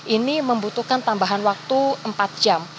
ini membutuhkan tambahan waktu empat jam